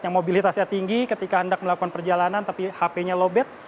yang mobilitasnya tinggi ketika hendak melakukan perjalanan tapi hp nya lobet